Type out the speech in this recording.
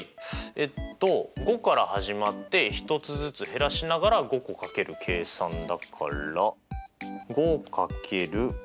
えっと５から始まって１つずつ減らしながら５個掛ける計算だから正解です！